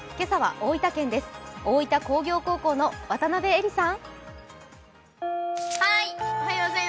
大分工業高校の渡部英里さん。